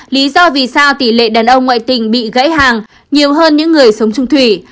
lý do vì sao tỷ lệ đàn ông ngoại tình bị gãy hàng nhiều hơn những người sống chung thủy